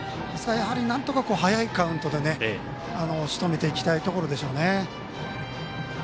なんとか早いカウントでしとめていきたいところですよね。